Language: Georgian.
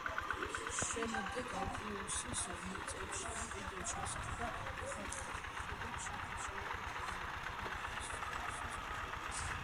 შემდეგ აპიუსის მიწებში კიდევ ჩასახლდა ხალხი და შეიქმნა კლავდიუსის ტრიბი.